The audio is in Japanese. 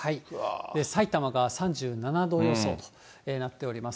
さいたまが３７度予想となっております。